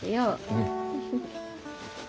うん。